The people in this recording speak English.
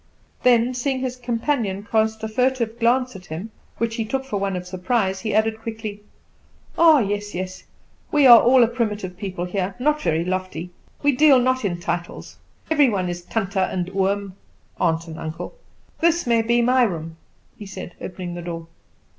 Then seeing his companion cast a furtive glance at him, which he mistook for one of surprise, he added quickly, "Ah, yes, yes; we are all a primitive people here not very lofty. We deal not in titles. Every one is Tante and Oom aunt and uncle. This may be my room," he said, opening the door.